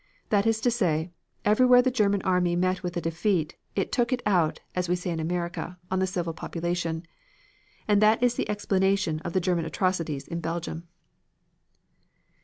That is to say, everywhere the German army met with a defeat it took it out, as we say in America, on the civil population. And that is the explanation of the German atrocities in Belgium."